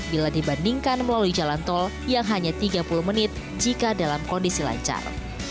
bila dibandingkan melalui jalan tol yang hanya tiga puluh menit jika dalam kondisi lancar